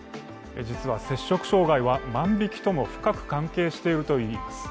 実は摂食障害は万引きとも深く関係しているといいます。